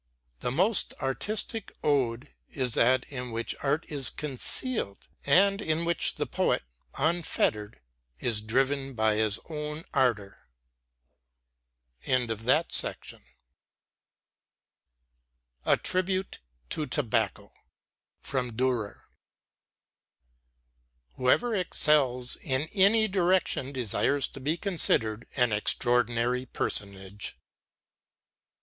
The most artistic ode is that in which art is concealed, and in which the poet, unfettered, is driven by his own ardor. A TRIBUTE TO TOBACCO From 'Dürer' Whoever excels in any direction desires to be considered an extraordinary personage.